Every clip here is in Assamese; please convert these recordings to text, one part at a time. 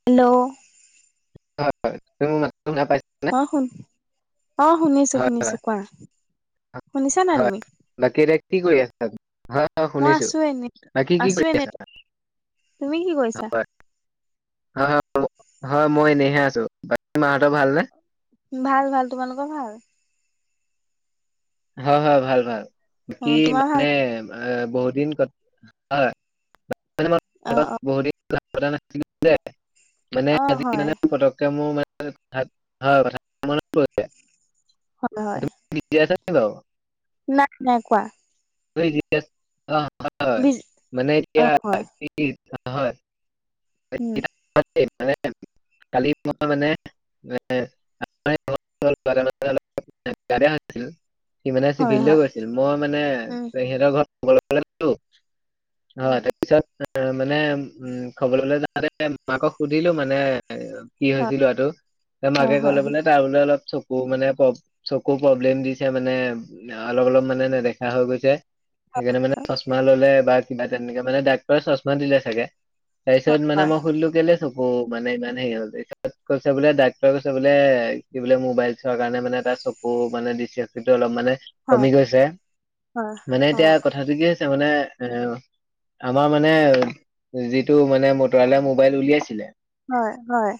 হেল্ল'? হয়। [unintelligible] [unintelligible] শুনা [unintelligible] অ', শুন অ', শুনিছো হয় শুনিছো কোৱা। শুনিছা নাই হয়, তুমি বাকি এতিয়া কি কৰি আছা? [unintelligible] হয়, মই শুনিছো আছো এনে বাকি কি আছো কৰি এনে আছা? তুমি কি কৰিছা? হয় [unintelligible] হয়, হয়। মই এনেইহে আছো, বাকী মাহঁতৰ ভালনে? ভাল, ভাল, তোমালোকৰ ভাল? হয়, হয়, ভাল ভাল। অ বাকি তোমাৰ ভাল মানে বহুত দিন [unintelligible] হয় অ অ [unintelligible] মানে অ হয় [unintelligible] পটকে মোৰ মানে [unintelligible] মনত [unintelligible] [unintelligible] [unintelligible] নাই নাই কোৱা। বিজ অ হয় [unintelligible] উম, [unintelligible] মানে কালি মই মানে [unintelligible] [unintelligible] সি মমানে হয় চিভিললে হয় গৈছিল মই মানে উম পেহীহঁতৰ ঘৰত [unintelligible] হয় উম তাৰপিছত মানে উম, থবলৈ যাওঁতে মাকক সুধিলো মানে কি হয় হৈছিল ল'ৰাটোৰ, মাকে হয় হয় ক'লে বোলে তাৰ বোলে অলপ চকু মানে চকু প্ৰব্লেম দিছে মানে অ অলপ অলপ মানে নেদেখা হৈ গৈছে। সেইকাৰণে মানে চশমা ল'লে বা কিবা তেনেকে মানে ডাক্তৰে চশমা দিলে ছাগে। তাৰ পিছত মানে হয় মই সুধিলোঁ কেলে চ উম, মানে মানে ইহঁতে। কৈছে বোলে ডাক্তৰে কৈছে বোলে সি বোলে মোবাইল চোৱাৰ কাৰণে মানে এটা চকু উম, মানে দৃষ্টিশক্তিটো অলপ মানে হয় কমি গৈছে। হয় মানে হয় এতিয়া হয় অ [unintelligible] কি হৈছে মানে এ আমাৰ মানে, যি টো মানে মটৰালা মোবাইল উলিয়াইছিলে হয়, হয়।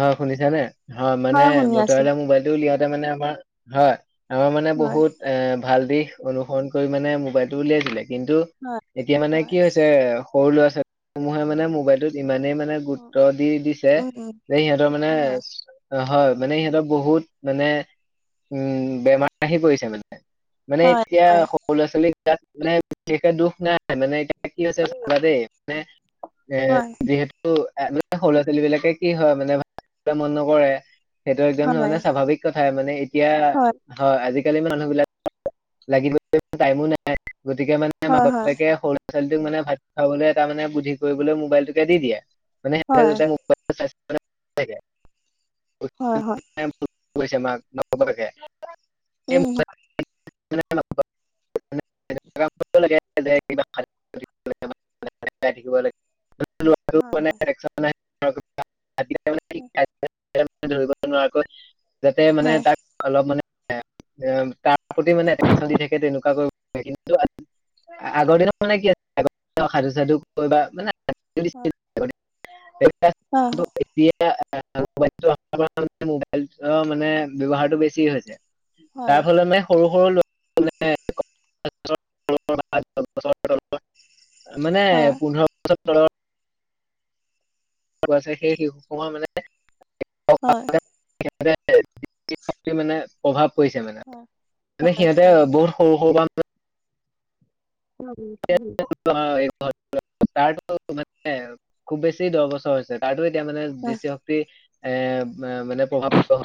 অ' শুনিছানে? হয় মানে শুনি আছো মটৰালা মোবাইলটো উলিয়াওতে মানে আমাৰ হয়। আমাৰ মানে হয় বহুত এ ভাল দিশ অনুসৰণ কৰি মানে মোবাইলটো উলিয়াইছিলে, কিন্তু হয় এতিয়া মানে হয় কি হৈছে সৰু ল'ৰা-ছোৱালী সমূহে মানে মোবাইলটোত ইমানেই মানে গুৰুত্ব উম দি দিছে, উম যে সিহঁতৰ মানে হয় হয়, মানে সিহঁতক বহুত মানে, উম, বেমাৰ আহি পৰিছে মানে। মানে হয় এতিয়া হয় সৰু ল'ৰা ছোৱালীৰ গাত মানে বিশেষকে দুখ নাই, মানে এতিয়া কি হৈছে হয় চাবা দেই। মানে, এ হয় যিহেতু তু এ মানে সৰু ল'ৰা-ছোৱালী বিলাকে কি হয় মানে ভা [unintelligible] মন নকৰে। সেইটো একদম হয় মানে স্বাভাৱিক কথাই মানে এতিয়া হয়। আজিকালি মানুহ বিলাক [unintelligible] লাগি [unintelligible] টাইমো নাই, গতিকে মানে হে মাক হয় হয় বাপেকে সৰু ল'ৰা ছোৱালীটোক মানে ভাত খাবলৈ এটা মানে বুদ্ধি কৰিবলৈ মোবাইলটোকে দি দিয়ে। মানে এটা হয় দুটা মোবাইল চাই [unintelligible] থাকে। হয়, হয়। [unintelligible] হৈছে মাক বাপেকে। উম [unintelligible] [unintelligible] [unintelligible] [unintelligible] হয় হয় ধৰিব নোৱাৰাকৈ। যাতে মানে হয় তাক অলপ মানে এ উম তাক সুধি মানে একচন দি থাকে তেনেকু হ'ব লাগে, কিন্তু আ- আগৰ দিনত মানে কি আছিল আগৰ সাধু চাধু কৈ বা মানে, হয় [unintelligible] [unintelligible] মোবাইলৰ মানে ব্যৱহাৰটো বেছি হৈছে। তাৰ হয় হয় ফলত মানে সৰু সৰু ল [unintelligible] হয় [unintelligible] হয় [unintelligible] [unintelligible] মানে প্ৰভাৱ পৰিছে মানে। হয় মানে হয় সিহঁতে হয় বহুত সৰু সৰু পৰা [unintelligible] এই তাৰ টো মানে, খুব বেছি দহ বছৰ হৈছে। তাৰ টো এতিয়া মানে হয় দৃষ্টিশক্তি এ ম-মানে প্ৰভাৱ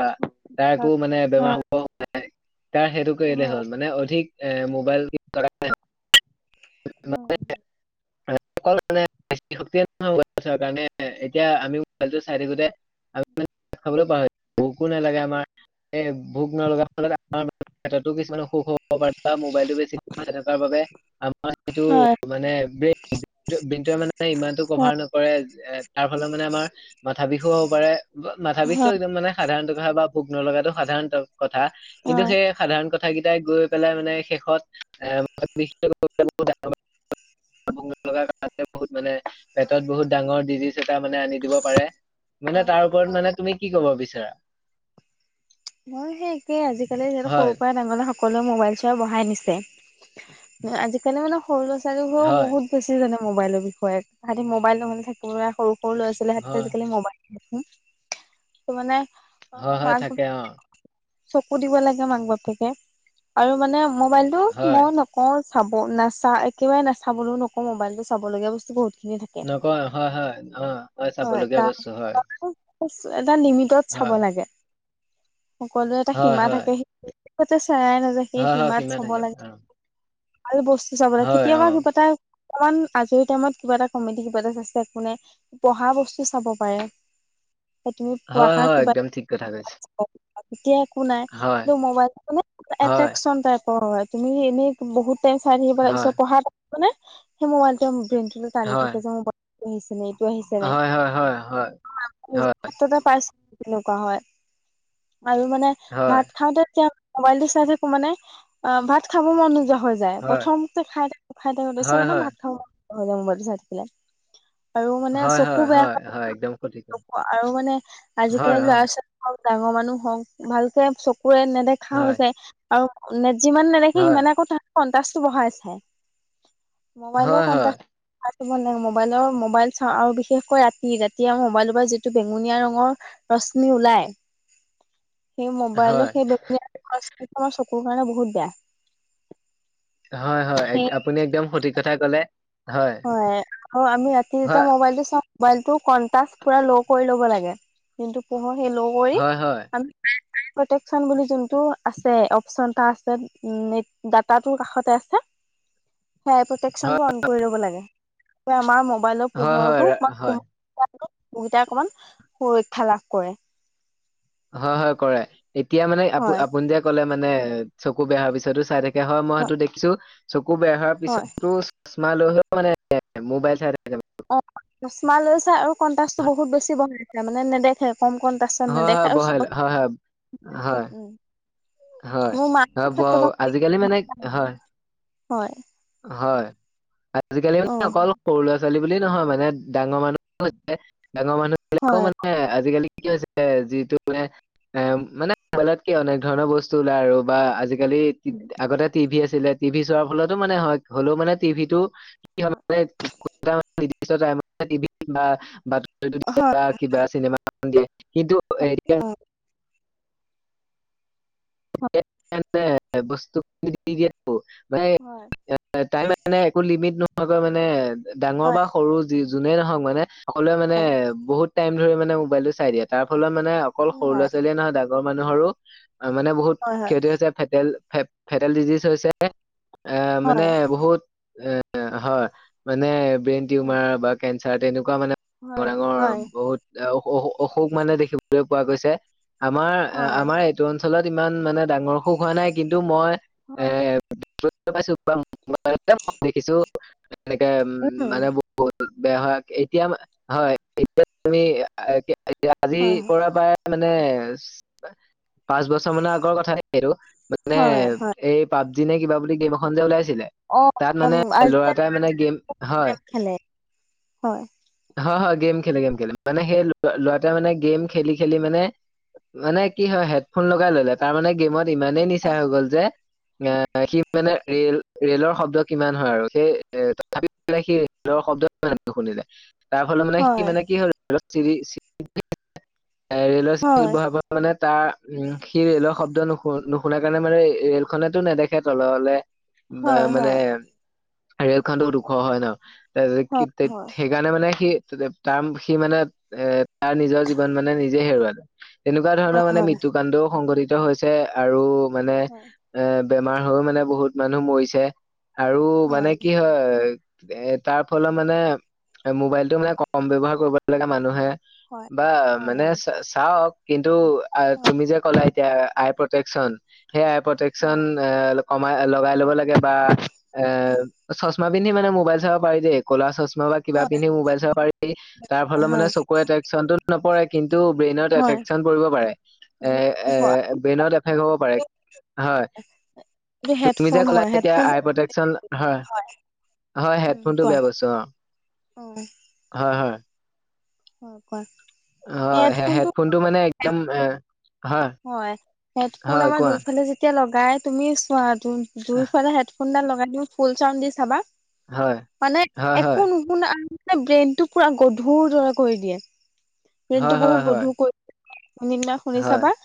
তাৰ আকৌ মানে হয় বেমাৰ হ তাৰ সেইটো কৰিলে হ'ল, মানে অধিক এ মোবাইল ইউজ কৰা কাৰণে উম। অকল মানে শক্তিয়ে [unintelligible] মোবাইলটো চোৱা কাৰণে। এতিয়া আমি মোবাইলটো চাই থাকোতে [unintelligible] খাবলৈও পাহৰো, ভোকো নালাগে আমাৰ। এই ভোক নলগা ফলত আমাৰ পেটতো কিছুমান অসুখ হ'ব পাৰে বা মোবাইলটো বেছি সময় চাই থকাৰ বাবে অ সেইটো মানে ব্ৰেইন ব্ৰেইনটোয়ে মানে ইমানটো কভাৰ নকৰে, এ তাৰ ফলত মানে আমাৰ মাথা বিষো হ'ব পাৰে। মাথা বিষটো হয় একদম মানে সাধাৰণত কথা বা ভোক নলগাতটো সাধাৰণ কথা কিন্তু হয় সেই সাধাৰণ কথা কেইটাই গৈ পেলাই মানে শেষত এ বিশ বহুত মানে পেটত বহুত ডাঙৰ ডিজিজ টা মানে আনি দিব পাৰে মানে হয় তাৰ ওপৰত মানে তুমি কি কব বিচাৰা। সেই একেই আজিকালি সিহঁত হয় পৰাই ডাঙৰলে সক সকলোৱ ম'বাইল চোৱা বহাই নিচে আজিকালি মানে সৰু ল'ৰা-ছোৱালীবোৰেও হয় বহুত বুছি জানে মোবাইলৰ বিষয়ে তাহাঁতি মোবাইল নহ'লে থাকিব লাগ সৰু সৰু লৰা ছোৱালী হাততে হয় আজিকালি ম'বাইল ত মানে অ হয় হয় মাক থাকে অ'। চকু দিব লাগে মাক বাপকে আৰু মানে মোবাইলটো হয় মই ন [unintelligible] একেবাৰে নাচাবলৈও নকওঁ, মোবাইলতো চাবলগীয়া বস্তু বহুত খিনি থাকে। নকয়, হয়, হয়, অ, হয়, চাবলগীয়া বস্তু হয়। এটা লিমিটত চাব হয় লাগে। সকলোৱে এটা হয় সীমা হয় থাকে, সেইতে চেৰাই নাযায়, সেই হয় হয় সীমাত সীমা চাব থাকে লাগে। অ ভাল বস্তু চাব লাগে, হয়, অ। কেতিয়াবা কিবা এটা অকমান আজৰি টাইমত কিবা এটা কমেডি কিবা চাইছে একো নাই। পঢ়া বস্তু চাব পাৰে, [unintelligible] হয়, পঢ়া হয়, কিবা একদম ঠিক কথা কৈছে। এতিয়া একো নাই, হয়, কিন্তু মোবাইল মানে হয়, এট্ৰেকচন টাইপৰ হয়, তুমি এনেই বহুত চাই থাকিবা, হয়, তাৰপিছত পঢ়া [unintelligible] সেই মোবাইল ব্ৰেইনটো টানি হয়, থাকে যে মোৰ আহি [unintelligible] নিজৰ হয়, হয়, হয়, হয়, হয়, ক্ষেত্ৰতে পাইছোঁ তেনেকুৱা হয়। আৰু মানে হয়, ভাত খাওঁতে এতিয়া মোবাইলটো চাই থাকো মানে অ, ভাত খাব মন যোৱা হৈ য য়, হয়, প্ৰথমতে খাই থাকো, খাই থাকো, হয়, তাৰপিছত হয়, মানে ভাত খাব মন নোযোৱা হৈ যায়, মোবাইলটো চাই থাকিলে। আৰু মানে হয়, চকু হয়, বেয়া হয়, হয়, একদম সঠিক কথা। [unintelligible] আৰু মানে হয়, আজিকালি হয়, ল'ৰা-ছোৱালী আৰু ডাঙৰ মানুহ হওক, ভালকে চকুৰে নেদেখা হৈ হয়, যায়। আৰু যিমান নেদেখি হয়, সিমানে আকৌ তাত [unintelligible] টো বঢ়াই চায়। মোবাইলো হয়, কন হয়, [unintelligible] মোবাইলৰ, মোবাইল চাওঁ আৰু বিশেষকৈ ৰাতি, যেতিয়া মোবাইলটোৰ পৰা যিটো বেঙুনীয়া ৰঙৰ ৰশ্মি ওলাই সেই মোবাইলৰ হয়, সেই [unintelligible] আমাৰ চকুৰ কাৰণে বহুত বেয়া। হয়, হয়, সেই আপুনি একদম সঠিক কথাই ক'লে। হয়, [unintelligible] আমি ৰাতি যেতিয়া হয়, মোবাইলটো চাওঁ মবাইলটো কণ্টাছ পুৰা ল' কৰি ল'ব লাগে, যোনটো পোহৰ সেই ল' কৰি হয়, হয়, আমি [unintelligible] প্ৰটেকচন বুলি যোনটো আছে, অপচন এটা আছে ডাটাটোৰ কাষতে আছে। [inaudible] সেয়া প্ৰটেকচন টো অন কৰি ল'ব লাগে, আমাৰ মোবাইলৰ হয়, হয়, পোহৰটো হয়, হয়। [unintelligible] অকমান সুৰক্ষা লাভ কৰে। হয়, হয়, কৰে। এতিয়া মানে আপ হয় আপুনি যে ক'লে মানে চকু বেয়া হোৱাৰ পিছতো চাই থা [unintelligible] হয়, মই সেইটো দেখিছো, চকু বেয়া হোৱাৰ হয় পিছতো চচমা লৈ হ'লেও মানে মোবাইল চাই থাকে। মানে। অ, চচমা লৈও চাই আৰু কণ্টাচটো বহুত বেছি বহাই দিয়ে, মানে নেদেখে কম-কম পাছত হয় নেদেখে হয় আৰু বহাই লয় হয় হয় হয় হয় হয় ব [unintelligible] উম। আজিকালি মানে হয় [unintelligible] হয়। হয়, আজিকালি অ মানে অকল সৰু ল'ৰা-ছোৱালী বুলি নহয় মানে, ডাঙৰ মানুহ হৈছে, ডাঙৰ মানুহবিলাকেও হয় মানে [unintelligible] আজিকালি কি হৈছে, যিটো মানে এ, মানে মোবাইলত কি অনেক ধৰণৰ বস্তু ওলায় আৰু, বা আজিকালি আগতে টিভি আছিলে, টিভি চোৱাৰ ফলতো হয়, হ'লেও মানে টিভিটো কি হয় হয় মানে [unintelligible] [unintelligible] অ হয়। [unintelligible] হয়। [unintelligible] একো লিমিট নোহোৱাকৈ মানে ডাঙৰ হয় বা সৰু যি যোনে নহওক মানে সকলোৱে মানে হয় বহুত টাইমলৈকে মোবাইলটো চাই দিয়ে তাৰ ফলত মানে অকল সৰু হয় লৰা ছোৱালীয়ে নহয় ডাঙৰ মানুহৰো মানে বহুত হয় হয় কি হৈছে ফে ফেডেল ডিজিজ হৈছে এ মানে হয় বহুত এ হয় মানে ব্ৰেইন টিউমাৰ বা কেঞ্চাৰ তেনেকুৱা মানে ডাঙৰ হয় ডাঙৰ হয় বহুত অহ অসুখ মানে দেখিবলৈ পোৱা গৈছে। আমাৰ হয় আমাৰ এইটো অঞ্চলত ইমান মানে ডাঙৰ অসুখ হোৱা নাই কিন্তু মই এ হয়। [unintelligible] দেখিছো এনেকে উম মানে [unintelligible] বহুত বেয়া হয় এতিয়া হয় এতিয়া তুমি আজিৰ হয়, পৰা প্ৰায় মানে পাঁচ বছৰ মানৰ আ গৰ কথা এইটো মানে হয়, হয়। এই পাবজি নে কিবা বুলি গেম এখন যে ওলাইছিলে অ', তাত মানে লৰা আৰ্জেণ্ট এটাই মানে গেম হয় গেম খেলে। হয়, হয় হয় গেম খেলে গেম খেলে মানে সেই ল'ৰাটোৱে মানে গেম খেলি খেলি মানে মানে কি হয় হেডফোন লগাই ললে তাৰমানে গেমত ইমানেই নিচা হয়, হৈ গ'ল যে। এ সি মানে ৰেল ৰেলৰ শব্দ কিমান হয় আৰু সেই তথাপিও সি ৰেলৰ শব্দ নুশুনিলে তাৰ ফলত মানে সি হয়, মানে কি হল ৰেলৰ চিৰি [unintelligible] ৰেলৰ চিৰি হয়, বহাব মানে তাৰ উম সি ৰেলৰ শব্দ নুশু নুশুনা কাৰণে মানে ৰেল খনেটো নেদেখে তললে মা হয়, মানে ৰেল খনটো ওখ হয় ন ত সি হয়, হয়, হয়, সেইকাৰণে মানে সি তাৰ সি মানে এ তাৰ নিজৰ জীৱন মানে নিজে হেৰুৱালে তেনেকুৱা ধৰণৰ মানে হয়। মৃত্যু কাণ্ডও সংঘটিত হৈছে আৰু মানে হয়, এ বেমাৰ হৈও মানে বহুত মানুহ মৰিছে আৰু মানে হয়, কি হয় এ তাৰ ফলত মানে মোবাইলটো মানে কম ব্যৱহাৰ কৰিব লাগে মানুহে হয় বা হয়, হয়, হয়, মানে চাওক কিন্তু তুমি যে ক'লা এতিয়া আই প্ৰটেকচন সেই আই প্ৰতেকচন হয়। এ কমাই লগাই ল'ব লাগে বা এ হয়, হয়, হয়, চশমা পিন্ধি মানে মোবাইল চাব পাৰি দে কলা চশমা বা কিবা পিন্ধি মোবাইল চাব পাৰিব তাৰ ফলত মানে চকুৰ এফেক্টচনতো নপৰে কিন্ত ব্ৰেইনত হয়, হয়। হয়। এফেক্টচন পৰিব পাৰে এ এ ব্ৰেইনত এফেক্ট হ'ব পাৰে হয়। তুমি যে হেডফোন ক'লা হয়, এতিয়া হেডফোনটো আই প্ৰতেকচন হয় হয় উম, হেডফোনটো কোৱা। বেয়া বস্তু অহ অ', হয় হয়। অহ কোৱা। হয় হেডফোনটো মানে একদম এ হয় হেডফোন হয় আমাৰ কোৱা দুইফালে যেতিয়া লগাই তুমি চোৱা আহ, দুইফালে হেড ফোনডাল লগাই দি তুমি ফুল চাউন দি চাবা হয় মানে হয়, হয়। একো নু শুনা ব্ৰেইনটো পুৰা গধুৰ দৰে কৰি দিয়ে হয়, ব্ৰেইনটো হয়, বহুত হয়। গধুৰ কৰি দিয়ে। এদিন শুনি হয়, চাবা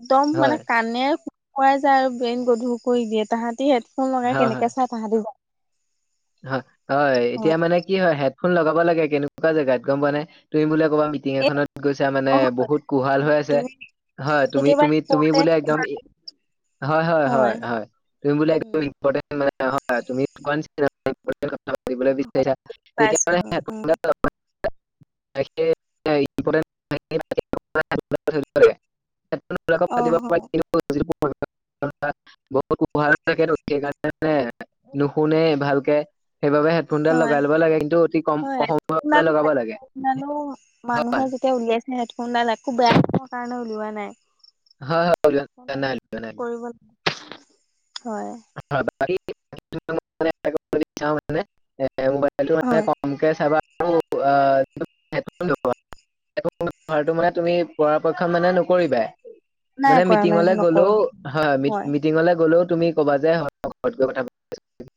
একদম মানে হয়। কাণেৰে শুমাই যায় আৰু ব্ৰেইন গধুৰ কৰি দিয়ে তাহাঁতি হেফোন লগাই হয়, হয়। কেনেকে চাই তাহাঁতি গম পাই হয় হয়, এতিয়া মানে কি হয় হেডফোন লগাব লাগে কেনেকুৱা জেগাত গম পোৱা নে, তুমি বোলে কৰ'বাত মিটিং এই এখনত গৈছা, মানে নহয় বহুত কোহাল হৈ আছে। তুমি হয় তুমি কেতিয়াবা তুমি তুমি বোলে ইম্পৰ্টেণ্ট একদম কিবা হয় হয় হয় হয় তুমি বোলে একদম উম ইমপৰটেন্ট [unintelligible] হয় তুমি হয় বিচাৰিছা তেতিয়া ত পাইছো উম [unintelligible] অ হয় [unintelligible] [unintelligible] সেইকাৰণে নুশুনে ভালকে সেইবাবে, হেডফোনডাল হয় লগাই ল'ব লাগে, কিন্তু অতি কম কৈ হয় সময় ইমান লগাব লাগে, হয়। এতিয়া উলিয়াইছেহে, হেফোনডাল একো বেয়া, সেইকাৰণে উলোৱা নাই। হয়, হেডফোনডালো হয়। কৰিব হয়। মানে মোবাইলটো হয় মানে [unintelligible] [unintelligible] তোমাৰটো মানে, তুমি পৰাপক্ষত মানে নকৰিবাই। নাই মানে কৰা নাই মিটিঙলে নকৰো গলেও, সেইটো হয়, হয়, মিটিঙলে গলেও তুমি ক'বা যে ঘৰত গৈ কথা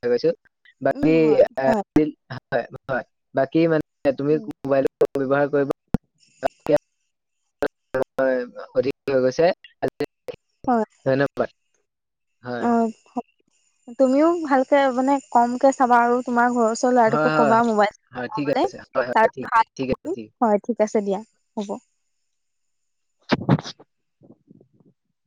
পাতিম। উম বাকী, হয় হয়, হয়, বাকী মানে [unintelligible] তুমি মোবাইল ব্যৱহাৰ কৰিব [unintelligible] [unintelligible] অধিক হৈ গৈছে, হয় ধন্যবাদ। হয় অ', হ তুমিও ভালকে মানে, কমকে চাবা আৰু তোমাৰ ঘৰছ [unintelligible] হয় ল'ৰাটোকো হয় কবা মোবাইল [unintelligible] হয় ঠিক আছে হয় হয় ঠিক আছে ঠিক আছে ঠিক ভাল আছে। হয়। ঠিক আছে দিয়া হ'ব।